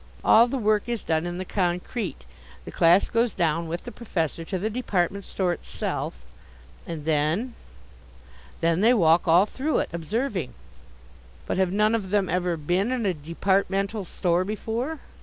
All the work is done in the concrete. The class goes down with the professor to the department store itself " "And then " "Then they walk all through it, observing." "But have none of them ever been in a departmental store before?"